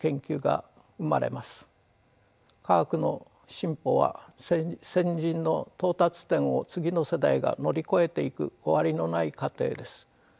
科学の進歩は先人の到達点を次の世代が乗り越えていく終わりのない過程です。